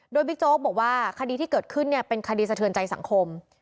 โดยบิ๊กโจ๊กบอกว่าคดีที่เกิดขึ้นเป็นคดีสะเทือนใจสังคม